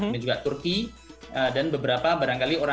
dan juga turki dan beberapa barangkali